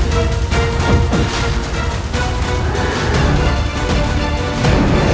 tapi tidak salah